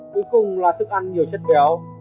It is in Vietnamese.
cuối cùng là thức ăn nhiều chất béo